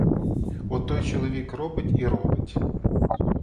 От той чоловік робить і робить.